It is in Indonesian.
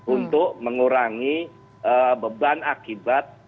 untuk mengurangi beban akibat